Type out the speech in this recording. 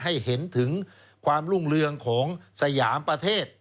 ให้เห็นถึงความรุ่งเรืองของสยามประเทศ